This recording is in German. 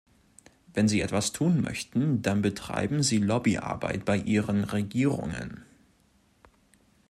Wenn Sie etwas tun möchten, dann betreiben Sie Lobbyarbeit bei Ihren Regierungen.